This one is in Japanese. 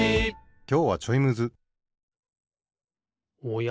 きょうはちょいむずおや？